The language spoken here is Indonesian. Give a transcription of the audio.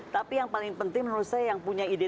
tapi yang paling penting menurut saya yang punya ide